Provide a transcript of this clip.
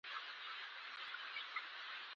پښتانه باید د دې کرښې په وړاندې یو قوي دریځ ونیسي.